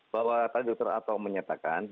bahwa tadi dokter atom menyatakan